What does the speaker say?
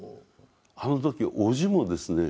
あの時おじもですね